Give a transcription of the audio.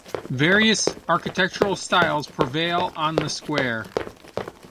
Various architectural styles prevail on the square.